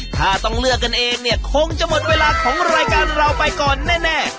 ถ้าต้องเลือกกันเองเนี่ยคงจะหมดเวลาของรายการเราไปก่อนแน่